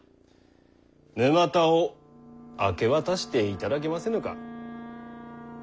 沼田を明け渡していただけませぬか。